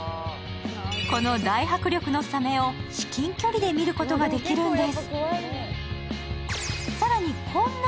この大迫力のサメを至近距離で見ることができるんです。